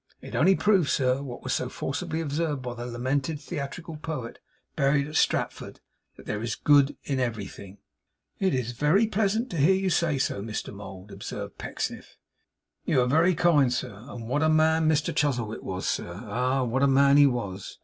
It only proves, sir, what was so forcibly observed by the lamented theatrical poet buried at Stratford that there is good in everything.' 'It is very pleasant to hear you say so, Mr Mould,' observed Pecksniff. 'You are very kind, sir. And what a man Mr Chuzzlewit was, sir! Ah! what a man he was.